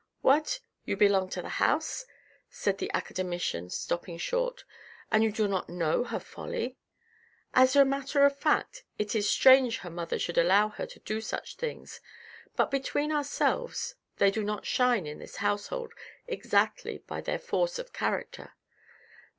" What ! you belong to the house ?" said the academician stopping short, " and you do not know her folly ? As a matter of fact it is strange her mother should allow her to do such things, but between ourselves, they do not shine in this household exactly by their force of character.